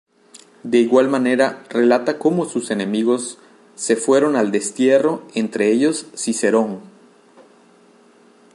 De igual manera relata como sus enemigos se fueron al destierro entre ellos cicerón.